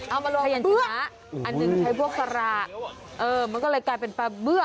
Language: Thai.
เอามารวมเป็นเบื้อกอันหนึ่งใช้พวกสละมันก็เลยกลายเป็นปลาเบื้อก